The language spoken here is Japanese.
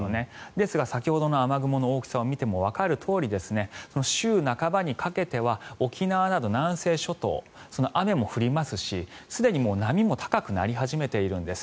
ですが先ほどの雨雲の大きさを見てもわかるとおり週半ばにかけては沖縄など南西諸島雨も降りますし、すでに波も高くなり始めているんです。